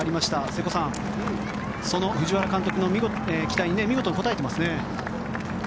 瀬古さん、その藤原監督の期待に見事に応えていますね。